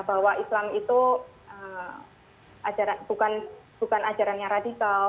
bahwa islam itu bukan ajarannya radikal